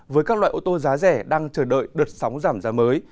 với các loại ô tô giá rẻ đang chờ đợi đợt sóng giảm giá mới